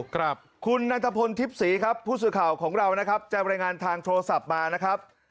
ครับคุณนันทพลทิพย์ศรีครับผู้สื่อข่าวของเรานะครับจะรายงานทางโทรศัพท์มานะครับ